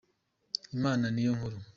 imana niyo nkuru.